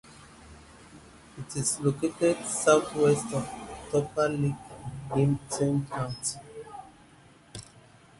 It is located southwest of Tupper Lake in Hamilton County.